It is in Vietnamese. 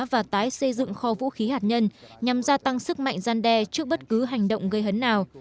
và tái xây dựng kho vũ khí hạt nhân nhằm gia tăng sức mạnh gian đe trước bất cứ hành động gây hấn nào